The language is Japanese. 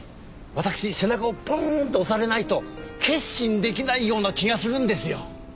私背中をポンッと押されないと決心出来ないような気がするんですよ。